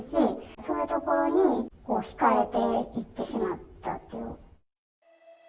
そういうところにひかれていってしまったっていう。